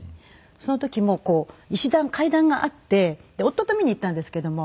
その時も石段階段があってで夫と見に行ったんですけども。